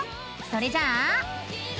それじゃあ。